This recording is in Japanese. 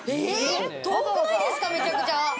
遠くないですかめちゃくちゃ。